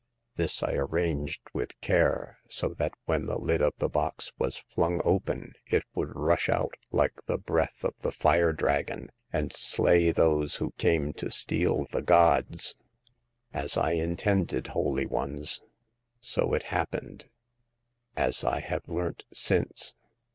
This I arranged with care so that when the lid of the box was flung open it would rush out like the breath of the Fire Dragon, and slay those who came to steal the gods. As I intended, holy ones, so it hap pened, as I have learnt since.